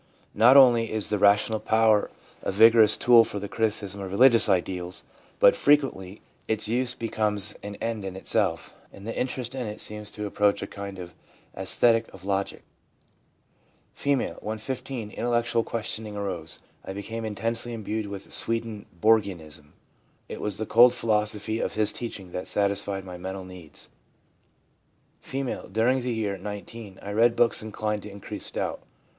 Not only is the rational power a vigorous tool for the criticism of religious ideals, but frequently its use becomes an end in itself, and the interest in it seems to approach a kind of aesthetic of logic. F. 'When 15, intellectual question ings arose. I became intensely imbued with Sweden borgianism. It was the cold philosophy of his teaching that satisfied my mental needs/ F. 'During the year (19) I read books inclined to increase doubt.